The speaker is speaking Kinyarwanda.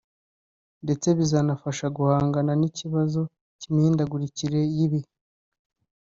ndetse bizanafasha guhangana n’ikibazo cy’imihindagurikire y’ibihe